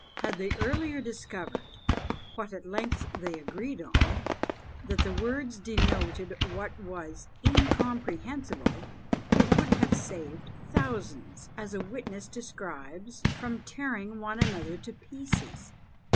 Had they earlier discovered, what at length they agreed on, that the words denoted what was incomprehensible, it would have saved thousands, as a witness describes, "from tearing one another to pieces."